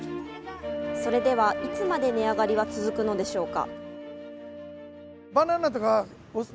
それではいつまで値上がりは続くのでしょうか。